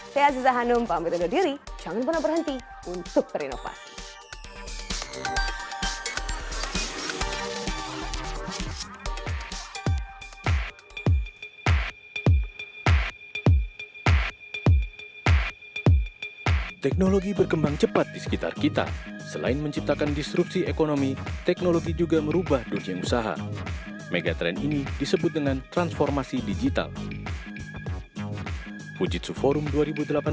saya aziza hanum pemerintah diri jangan pernah berhenti untuk berinovasi